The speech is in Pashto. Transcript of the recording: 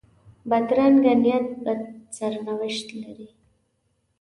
بدرنګه نیت بد سرنوشت لري